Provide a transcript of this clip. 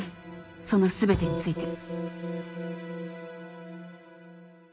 その全てについて。